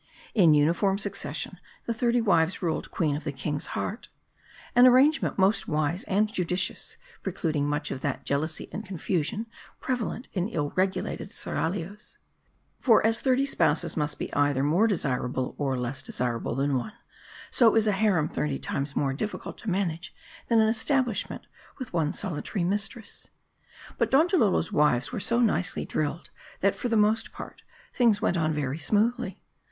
In uniform succession, the thirty wives ruled queen of the king's heart. An arrangement most wise and judicious ; precluding much of that jealousy and confusion prevalent in ill regulated seraglios. For as thirty spouses must be either more desirable, or less desirable than one ; so is a harem thirty times more difficult to manage than an establishment with one solitary mistress. But Donjalolo's wives were so nicely drilled, that for the most part, things went on very smoothly.